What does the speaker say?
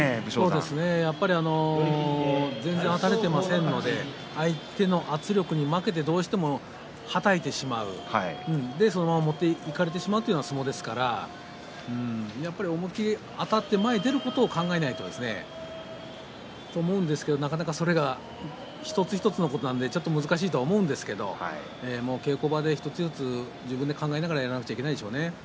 そうですね全然あたれていませんので相手の圧力に負けてどうしてもはたいてしまうそのまま持っていかれてしまうという相撲ですからやっぱり思いっきりあたって前に出ることを考えないとと思うんですがなかなかそれが一つ一つのことなんで難しいと思うんですが稽古場で一つ一つ自分で考えながらやらなければいけないでしょうね。